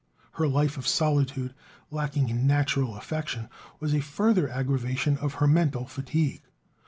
Her life of solitude, lacking in natural affection, was a further aggravation of her mental fatigue.